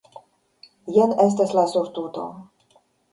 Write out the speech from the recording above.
jen estas la surtuto!